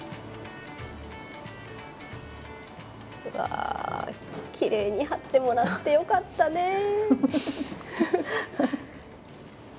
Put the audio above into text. うわきれいに貼ってもらってよかったね。